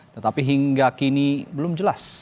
tetapi hingga kini belum jelas